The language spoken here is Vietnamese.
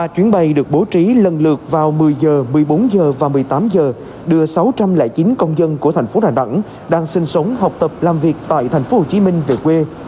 ba chuyến bay được bố trí lần lượt vào một mươi h một mươi bốn h và một mươi tám h đưa sáu trăm linh chín công dân của thành phố đà nẵng đang sinh sống học tập làm việc tại thành phố hồ chí minh về quê